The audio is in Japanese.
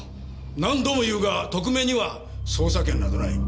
何度も言うが特命には捜査権などない。